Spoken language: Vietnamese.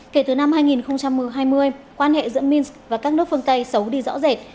kể từ năm hai nghìn hai mươi quan hệ giữa minsk và các nước phương tây xấu đi rõ rệt